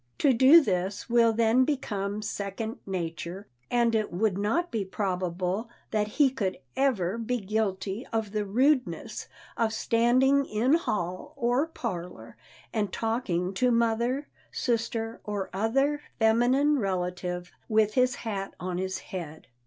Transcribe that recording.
To do this will then become second nature, and it would not be probable that he could ever be guilty of the rudeness of standing in hall or parlor and talking to mother, sister or other feminine relative with his hat on his head.